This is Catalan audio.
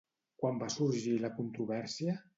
Quan va sorgir la controvèrsia?